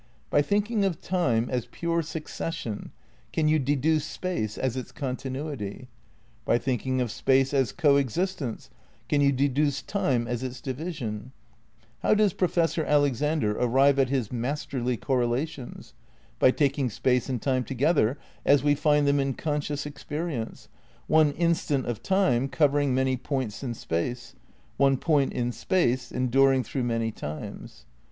By thinking of Time as pure succession can you deduce Space as its contin uity? By thinking of Space as co existence, can you deduce Time as its division? How does Professor Alex ander arrive at his masterly correlations? By taking Space and Time together, as we find them in conscious experience, one instant of Time covering many points in Space, one point in Space enduring through many times.